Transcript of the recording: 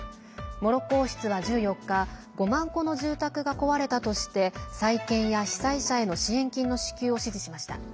モロッコ王室は１４日５万戸の住宅が壊れたとして再建や被災者への支援金の支給を指示しました。